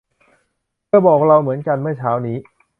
เธอบอกเราเหมือนกันเมื่อเช้านี้